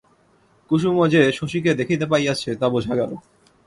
কুসুমও যে শশীকে দেখিতে পাইয়াছে তা বোঝা গেল।